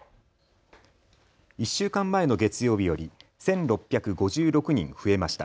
１週間前の月曜日より１６５６人増えました。